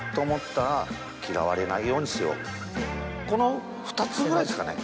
この２つぐらいですかね